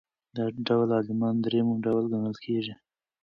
دا ډول عالمان درېیم ډول ګڼل کیږي.